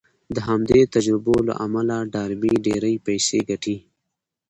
د همدې تجربو له امله ډاربي ډېرې پيسې ګټي.